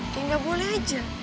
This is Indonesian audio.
ya gak boleh aja